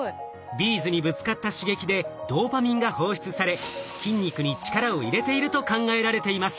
ビーズにぶつかった刺激でドーパミンが放出され筋肉に力を入れていると考えられています。